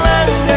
makasih ya kang